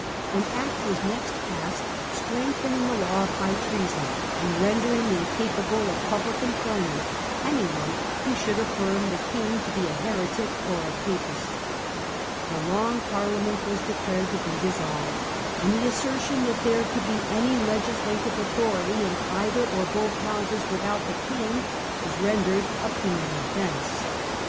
An Act was next passed strengthening the law of high treason, and rendering in capable of public employment anyone who should affirm the King to be a heretic or a papist ; the Long Parliament was declared to be dissolved, and the assertion that there could be any legislative authority in either or both Houses without the King was rendered a penal offence.